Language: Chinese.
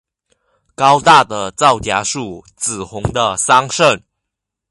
高大的皂荚树，紫红的桑葚